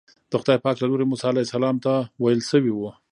د خدای پاک له لوري موسی علیه السلام ته ویل شوي وو.